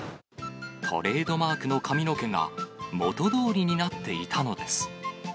トレードマークの髪の毛が、元どおりになっていたのです。